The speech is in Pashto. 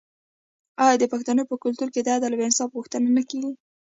آیا د پښتنو په کلتور کې د عدل او انصاف غوښتنه نه کیږي؟